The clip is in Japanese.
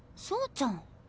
ちゃん。